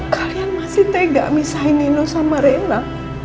kalian masih tega misahin nino sama rena